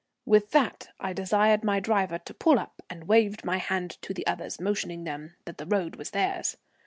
With that I desired my driver to pull up, and waved my hand to the others, motioning to them that the road was theirs.